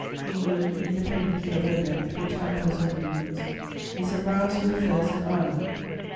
"England, independently of her debt, which hampers her movements, is embarrassed with affairs in Ireland.